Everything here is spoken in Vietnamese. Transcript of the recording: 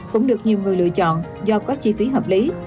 cũng được nhiều người lựa chọn do có chi phí hợp lý